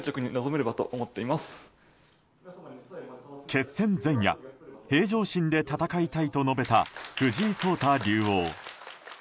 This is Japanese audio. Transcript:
決戦前夜平常心で戦いたいと述べた藤井聡太竜王。